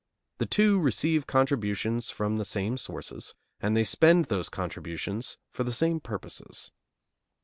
The two receive contributions from the same sources, and they spend those contributions for the same purposes.